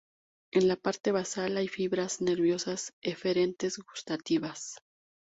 En la parte basal hay fibras nerviosas eferentes gustativas.